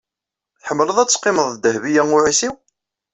Tḥemmleḍ ad teqqimeḍ d Dehbiya u Ɛisiw?